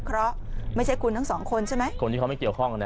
เพราะไม่ใช่คุณทั้งสองคนใช่ไหมคนที่เขาไม่เกี่ยวข้องนะ